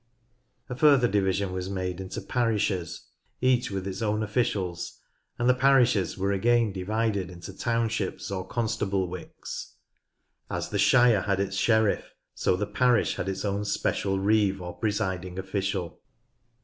A further division was made into 10 — 2 148 NORTH LANCASHIRE parishes, each with its own officials, and the parishes were again divided into townships or constablewicks. As the shire had its sheriff, so the parish had its own special reeve, or presiding official.